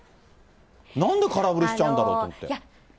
なんで空振りしちゃうんだろうと思って。